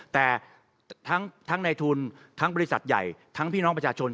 แต่ทั้งในทุนทั้งบริษัทใหญ่ทั้งพี่น้องประชาชน